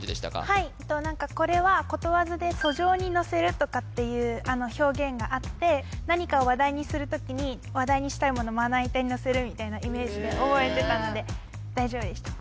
はいこれはことわざで「俎上に載せる」という表現があって何かを話題にする時に話題にしたいもの俎にのせるみたいなイメージで覚えてたので大丈夫でした